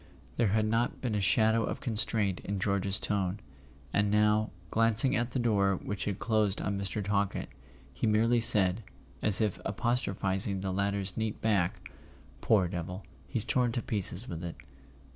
There had not been a shadow of constraint in George's tone; and now, glancing at the door which had closed on Mr. Talkett, he merely said, as if apostrophizing the latter's neat back: "Poor devil! He's torn to pieces with it."